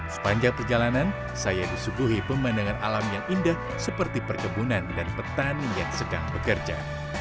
sepanjang perjalanan saya disuguhi pemandangan alam yang indah seperti perkebunan dan petani yang sedang bekerja